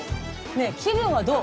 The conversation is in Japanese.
ねえ気分はどう？